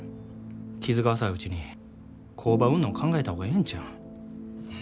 傷が浅いうちに工場売んの考えた方がええんちゃうん。